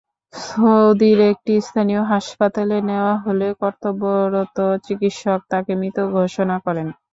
সৌদির একটি স্থানীয় হাসপাতালে নেওয়া হলে কর্তব্যরত চিকিৎসক তাঁকে মৃত ঘোষণা করেন।